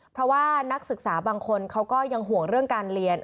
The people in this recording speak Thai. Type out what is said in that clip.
เพราะว่านักศึกษาบางคนเขาก็ยังห่วงเรื่องการเรียน